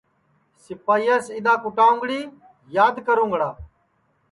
سِپائییاس اِدؔا کُٹاؤنگڑی یاد کرُونگڑا